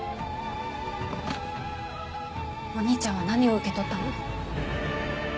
お兄ちゃんは何を受け取ったの？